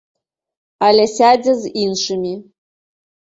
Але сядзе з іншымі.